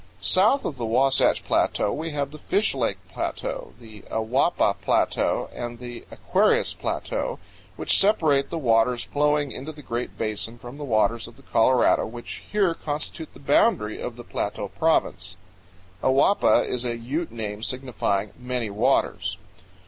South of the Wasatch Plateau we have the Fish Lake Plateau, the Awapa Plateau, and the Aquarius Plateau, which separate the waters flowing into the Great Basin from the waters of the Colorado, which 81 80 CANYONS OF THE COLORADO. here constitute the boundary of the Plateau Province. Awapa is a Ute name signifying "Many waters."